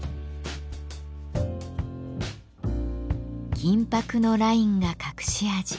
銀ぱくのラインが隠し味。